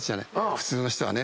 普通の人はね。